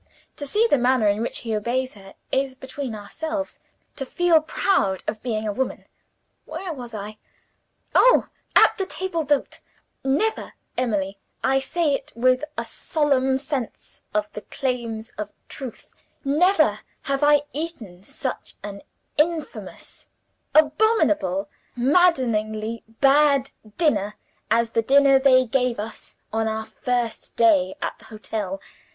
To see the manner in which he obeys Her is, between ourselves, to feel proud of being a woman. "Where was I? Oh, at the table d'hote. "Never, Emily I say it with a solemn sense of the claims of truth never have I eaten such an infamous, abominable, maddeningly bad dinner, as the dinner they gave us on our first day at the hotel.